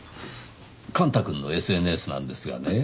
幹太くんのＳＮＳなんですがね。